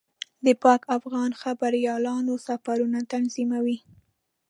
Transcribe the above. د پاک افغان خبریالانو سفرونه تنظیموي.